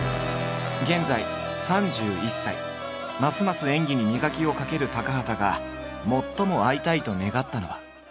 現在３１歳ますます演技に磨きをかける高畑が最も会いたいと願ったのは。